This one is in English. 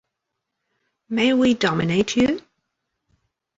May we dominate you?